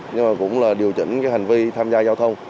nhưng mà cũng là điều chỉnh cái hành vi tham gia giao thông